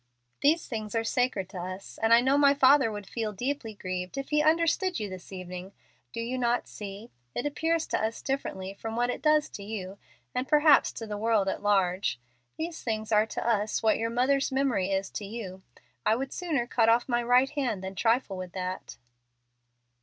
These things are sacred to us, and I know my father would feel deeply grieved if he understood you this evening. Do you not see? It appears to us differently from what it does to you and perhaps to the world at large. These things are to us what your mother's memory is to you. I would sooner cut off my right hand than trifle with that."